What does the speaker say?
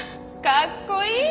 かっこいい！